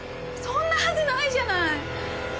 そんなはずないじゃない！